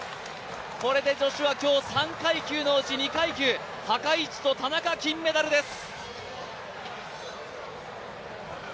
これで女子は今日３階級のうち２階級、高市と田中、金メダルです。